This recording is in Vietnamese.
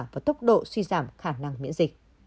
và tốc độ suy giảm khả năng miễn dịch